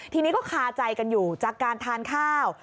ทีนี้ก็คาใจกันอยู่จากการทานข้าว